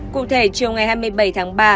cụ thể chiều ngày hai mươi bảy tháng ba